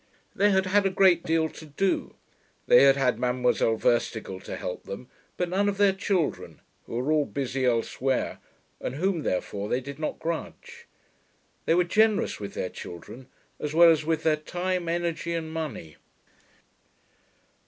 They had had a great deal to do; they had had Mademoiselle Verstigel to help them, but none of their children, who were all busy elsewhere, and whom, therefore, they did not grudge. They were generous with their children, as well as with their time, energy and money.